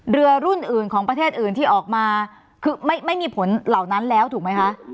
เรือรุ่นอื่นของประเทศอื่นที่ออกมาคือไม่มีผลเหล่านั้นแล้วถูกไหมคะ